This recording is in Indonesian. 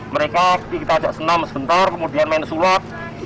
mereka kita ajak senam sebentar kemudian main sulap